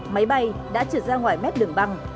máy bay đã trượt ra ngoài mép đường băng